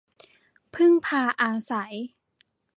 พึ่งพาอาศัย